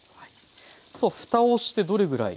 さあふたをしてどれぐらい？